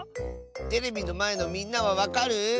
テレビのまえのみんなはわかる？